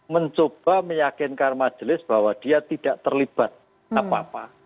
mencoba meyakinkan majelis bahwa dia tidak terlibat apa apa